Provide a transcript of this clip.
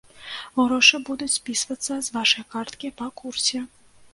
Грошы будуць спісвацца з вашай карткі па курсе.